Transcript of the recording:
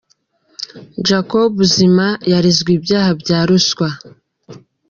Jacob Zuma yarezwe ibyaha bya ruswa